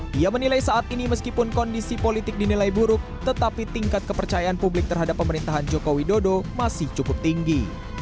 dia menilai saat ini meskipun kondisi politik dinilai buruk tetapi tingkat kepercayaan publik terhadap pemerintahan joko widodo masih cukup tinggi